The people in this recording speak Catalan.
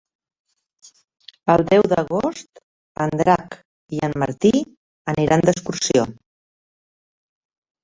El deu d'agost en Drac i en Martí aniran d'excursió.